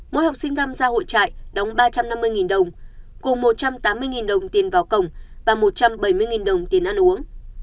mỗi học sinh tham gia hội trại đóng ba trăm năm mươi đồng cùng một trăm tám mươi đồng tiền vào cổng và một trăm bảy mươi đồng tiền ăn uống